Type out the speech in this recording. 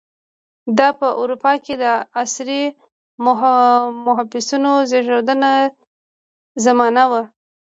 دا په اروپا کې د عصري محبسونو د زېږېدو زمانه وه.